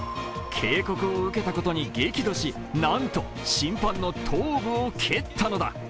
警告を受けたことに激怒し、なんと審判の頭部を蹴ったのだ。